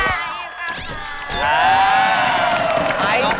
สวัสดีค่ะ